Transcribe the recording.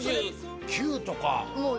９９とか。